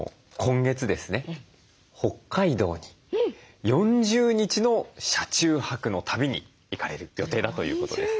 北海道に４０日の車中泊の旅に行かれる予定だということです。